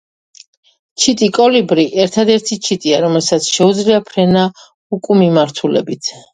ჩიტი კოლიბრი – ერთადერთი ჩიტია, რომელსაც შეუძლია ფრენა უკუმიმართულებით.